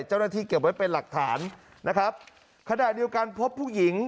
เจ้าหน้าที่เก็บไว้เป็นหลักฐานนะครับขณะเดียวกันพบผู้หญิง